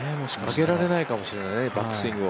上げられないかもしれないね、バックスイングを。